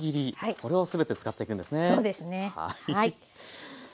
これを全て使っていくんですね。